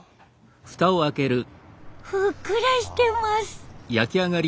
ふっくらしてます。